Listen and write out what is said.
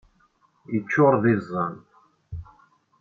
Yeččur d iẓẓan.